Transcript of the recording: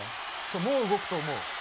もう動くと思う。